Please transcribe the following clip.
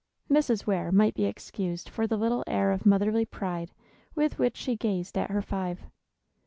Mrs. Ware might be excused for the little air of motherly pride with which she gazed at her five.